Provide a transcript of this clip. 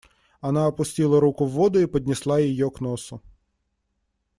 Она опустила руку в воду и поднесла ее к носу.